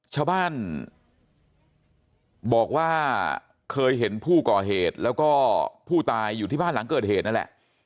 ชาวบ้านบอกว่าเคยเห็นผู้ก่อเหตุแล้วก็ผู้ตายอยู่ที่บ้านหลังเกิดเหตุนั่นแหละ